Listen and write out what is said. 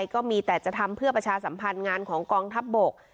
ก็มีแต่จะทำเพื่อประชาสัมพันธ์งานของกองทัพบก